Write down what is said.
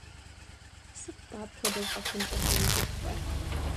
Сыт-тӀэ апхуэдэу къэхъункӀэ хъуну щӀыжыпӀэр?